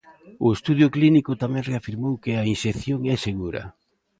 O estudo clínico tamén reafirmou que a inxección é segura.